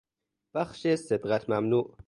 بخش سبقت ممنوع